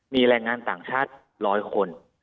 มีแรงงานต่างชาติร้อยคน